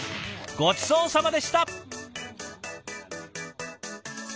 ごちそうさまでした！